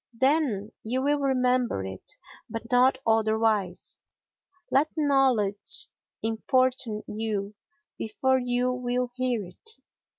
Then you will remember it, but not otherwise. Let knowledge importune you before you will hear it.